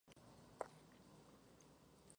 Teniendo como profesor al maestro Rodolfo Franco.